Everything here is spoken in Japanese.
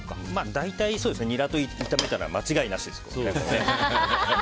大体、ニラと炒めたら間違いなしですけどね。